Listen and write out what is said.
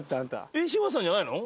えっ柴田さんじゃないの？